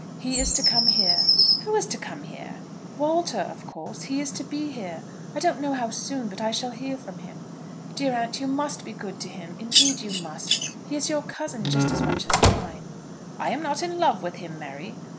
He is to come here." "Who is to come here?" "Walter, of course. He is to be here, I don't know how soon; but I shall hear from him. Dear aunt, you must be good to him; indeed you must. He is your cousin just as much as mine." "I'm not in love with him, Mary."